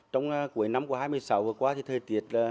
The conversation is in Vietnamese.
trong cuối năm của hai mươi sáu vừa qua thì thời tiết